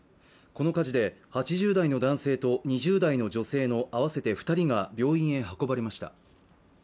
この火事で８０代の男性と２０代の女性の合わせて２人が病院へ運ばれました。